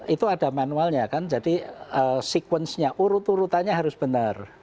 itu ada manualnya kan jadi sekuensinya urut urutannya harus benar